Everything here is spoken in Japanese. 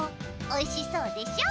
おいしそうでしょ？